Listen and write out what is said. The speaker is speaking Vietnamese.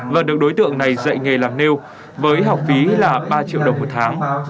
và được đối tượng này dạy nghề làm nêu với học phí là ba triệu đồng một tháng